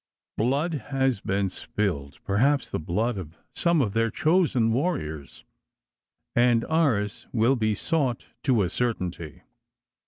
Blood has been spilled perhaps the blood of some of their chosen warriors and ours will be sought to a certainty.